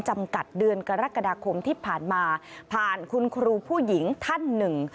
จำกัดเดือนกรกฎาคมที่ผ่านมาผ่านคุณครูผู้หญิงท่านหนึ่ง